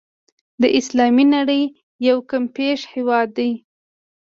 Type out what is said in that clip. د اسلامي نړۍ یو کمپېښ هېواد دی.